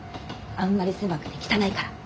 あんまり狭くて汚いから。